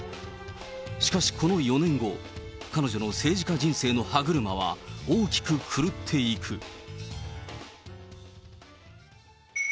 しかしこの４年後、彼女の政治家人生の歯車は大きく狂っていく。